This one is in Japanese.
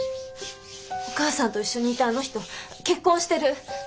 お母さんと一緒にいたあの人結婚してる。